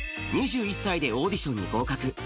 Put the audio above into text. ２１歳でオーディションに合格。